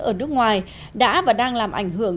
ở nước ngoài đã và đang làm ảnh hưởng